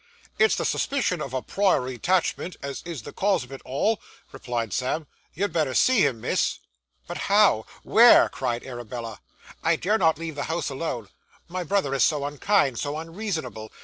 'It's the suspicion of a priory 'tachment as is the cause of it all,' replied Sam. 'You'd better see him, miss.' 'But how? where?' cried Arabella. 'I dare not leave the house alone. My brother is so unkind, so unreasonable!